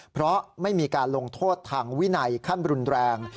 เพราะไม่มีการลงโทษทางวินัยขั้นรุนแรง